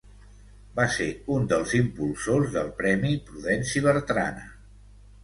Va ser un dels impulsors del Premi Prudenci Bertrana.